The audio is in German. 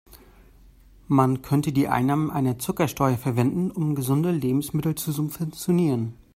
Man könnte die Einnahmen einer Zuckersteuer verwenden, um gesunde Lebensmittel zu subventionieren.